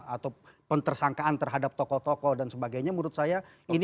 atau pentersangkaan terhadap tokoh tokoh dan sebagainya menurut saya ini